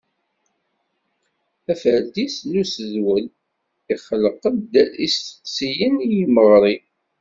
Aferdis n usedwel ixelleq-d isteqsiyen i yimeɣri.